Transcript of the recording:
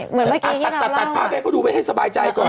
เหมือนเมื่อกี้ที่เราเล่าว่าตัดภาพแม่ก็ดูไว้ให้สบายใจก่อน